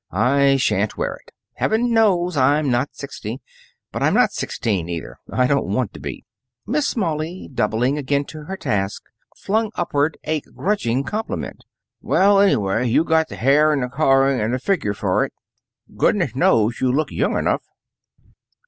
"I shan't wear it. Heaven knows I'm not sixty, but I'm not sixteen either! I don't want to be." Miss Smalley, doubling again to her task, flung upward a grudging compliment. "Well, anyway, you've got the hair and the coloring and the figure for it. Goodness knows you look young enough!"